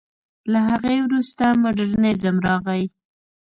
له هغې وروسته مډرنېزم راغی.